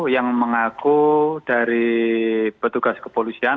yang mengaku dari petugas kepolisian